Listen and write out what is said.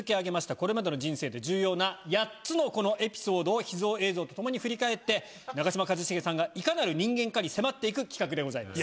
これまでの人生で重要な８つのこのエピソードを秘蔵映像とともに振り返って長嶋一茂さんがいかなる人間かに迫っていく企画でございます。